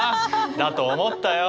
だと思ったよ！